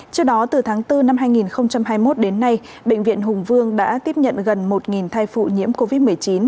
trước đó từ tháng bốn năm hai nghìn hai mươi một đến nay bệnh viện hùng vương đã tiếp nhận gần một thai phụ nhiễm covid một mươi chín